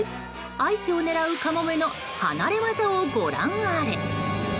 アイスを狙うカモメの離れ業をご覧あれ！